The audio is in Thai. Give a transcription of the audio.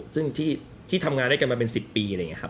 ซึ่งที่ทำงานได้กันมาเป็น๑๐ปี